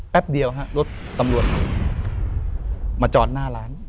แป๊บเดียวฮะรถตำรวจเข้ามาจอดหน้าร้าน